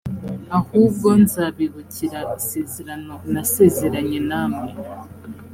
ahubwo nzabibukira isezerano nasezeranye namwe.